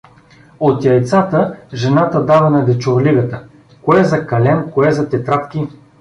От яйцата жената дава на дечурлигата, кое за калем, кое за тетрадки.